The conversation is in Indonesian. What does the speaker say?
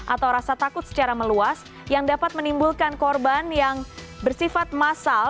atau rasa takut secara meluas yang dapat menimbulkan korban yang bersifat massal